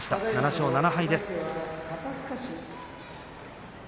７勝７敗です。